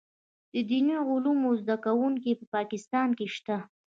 دیني علومو زده کوونکي په پاکستان کې شته.